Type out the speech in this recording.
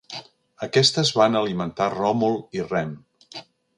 Aquestes van alimentar Ròmul i Rem.